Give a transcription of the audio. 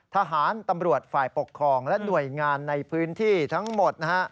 ทหารตำรวจฝ่ายปกครองและหน่วยงานในพื้นที่ทั้งหมดนะฮะ